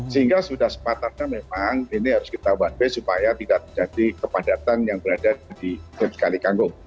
sehingga sudah sepatutnya memang ini harus kita bantai supaya tidak terjadi kepadatan yang berada di sekali kanggung